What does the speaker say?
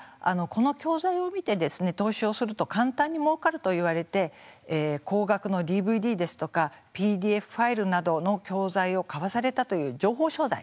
この教材を見て投資をすると簡単にもうかるといわれて高額のＤＶＤですとかＰＤＦファイルなどの教材を買わされたという情報商材